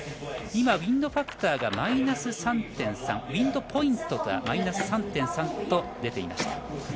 今ウィンドファクターがマイナス３．３ウィンドポイントがマイナス３．３と出ていました。